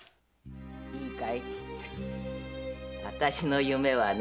いいかいあたしの夢はね